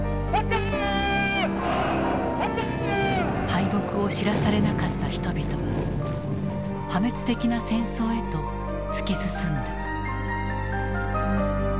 敗北を知らされなかった人々は破滅的な戦争へと突き進んだ。